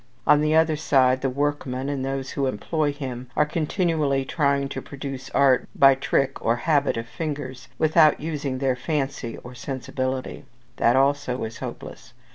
On the other side, the workman, and those who employ him, are continually trying to produce art by trick or habit of fingers, without using their fancy or sensibility. That also is hopeless.